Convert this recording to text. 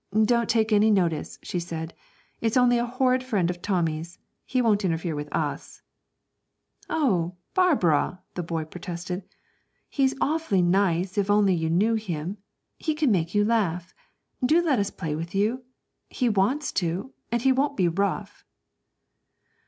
'Don't take any notice,' she said, 'it's only a horrid friend of Tommy's. He won't interfere with us.' 'Oh, Barbara,' the boy protested, 'he's awfully nice if you only knew him. He can make you laugh. Do let us play with you. He wants to, and he won't be rough.'